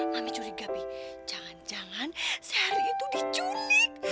mami curiga pi jangan jangan sheryl itu diculik